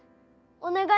お願い！